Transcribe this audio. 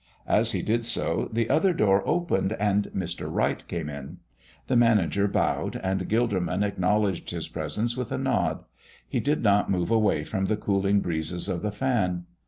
As he did so the other door opened and Mr. Wright came in. The manager bowed and Gilderman acknowledged his presence with a nod. He did not move away from the cooling breezes of the fan.